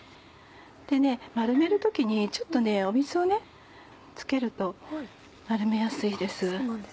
でね丸める時にちょっと水をつけると丸めやすいです。